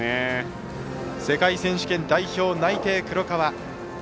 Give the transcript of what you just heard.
世界選手権代表内定、黒川。